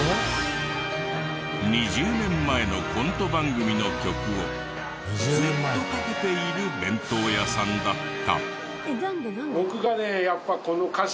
２０年前のコント番組の曲をずっとかけている弁当屋さんだった。